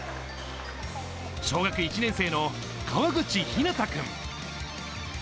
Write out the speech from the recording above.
小学１年生の川口陽向君。